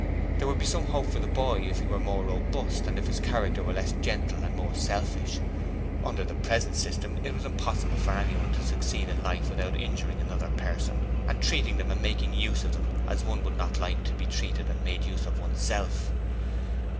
There would be some hope for the boy if he were more robust and if his character were less gentle and more selfish. Under the present system it was impossible for anyone to succeed in life without injuring other people and treating them and making use of them as one would not like to be treated and made use of oneself.